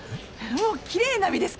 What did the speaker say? もうきれいな身ですから。